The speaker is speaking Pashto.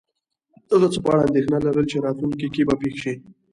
د هغه څه په اړه انېښنه لرل چی راتلونکي کې به پیښ شې